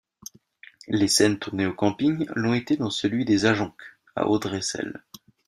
Les scènes tournées au camping l'ont été dans celui des Ajoncs, à Audresselles.